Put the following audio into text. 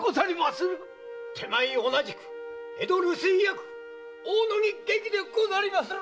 手前は同じく江戸留守居役大野木外記でござりまする！